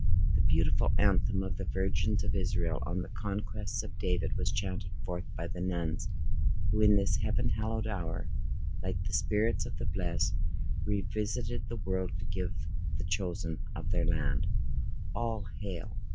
The beautiful anthem of the virgins of Israel on the conquests of David, was chanted forth by the nuns who in this heaven hallowed hour, like the spirits of the blest, revisited the world to give the chosen of their land, "All hail."